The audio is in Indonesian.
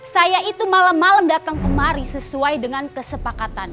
saya itu malam malam datang kemari sesuai dengan kesepakatan